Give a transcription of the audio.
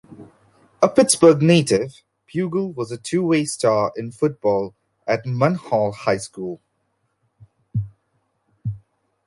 A Pittsburgh native, Bugel was a two-way star in football at Munhall High School.